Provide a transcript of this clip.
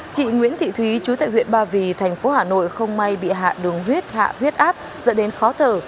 chị nguyễn thị thúy chú tại huyện ba vì thành phố hà nội không may bị hạ đường huyết hạ huyết áp dẫn đến khó thở